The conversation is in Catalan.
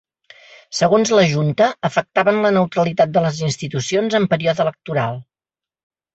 Segons la junta, afectaven la neutralitat de les institucions en període electoral.